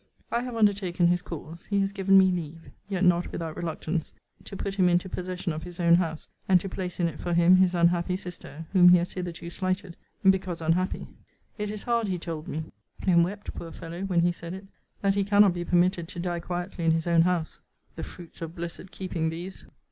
I have undertaken his cause. He has given me leave, yet not without reluctance, to put him into possession of his own house; and to place in it for him his unhappy sister, whom he has hitherto slighted, because unhappy. It is hard, he told me, (and wept, poor fellow, when he said it,) that he cannot be permitted to die quietly in his own house! The fruits of blessed keeping these!